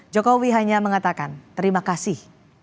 jokowi hanya mengatakan terima kasih